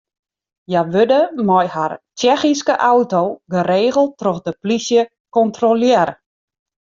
Hja wurde mei har Tsjechyske auto geregeld troch de plysje kontrolearre.